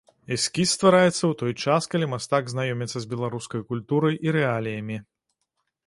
Эскіз ствараецца ў той час, калі мастак знаёміцца з беларускай культурай і рэаліямі.